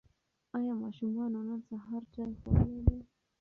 ایا ماشومانو نن سهار چای خوړلی دی؟